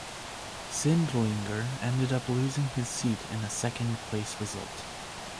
Sindlinger ended up losing his seat in a second-place result.